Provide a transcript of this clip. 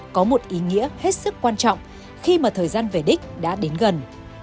có một ý nghĩa hết sức quan trọng khi mà thời gian về đích đã đến gần